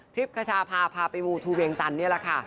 ขชาพาพาไปมูทูเวียงจันทร์นี่แหละค่ะ